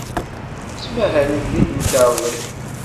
Ttmahalent deg temkarḍit.